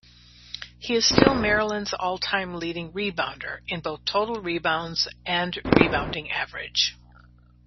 He is still Maryland's all-time leading rebounder, in both total rebounds and rebounding average.